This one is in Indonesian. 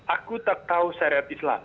aku tak tahu syariat islam